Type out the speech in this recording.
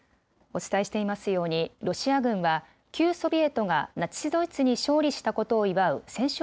お伝えしていますようにロシア軍は旧ソビエトがナチス・ドイツに勝利したことを祝う戦勝